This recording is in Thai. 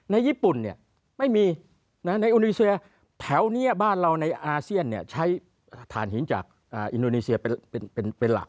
ในญี่ปุ่นไม่มีในอินโดนีเซียแถวนี้บ้านเราในอาเซียนใช้ฐานหินจากอินโดนีเซียเป็นหลัก